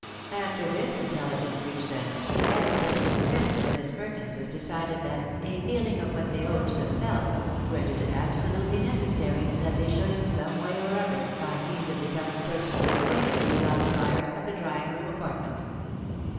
After this intelligence reached I 2 132 THE WIDOW MAREIED. them, the excellent good sense of the Miss Perkinses decided that a feeling of what they owed to themselves rendered it abso lutely necessary that they shovdd in some way or other find means of becoming personally acquainted with the occupiers of the drawing room apartment.